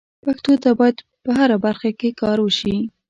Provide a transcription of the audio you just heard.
پښتو ته باید په هره برخه کې کار وشي.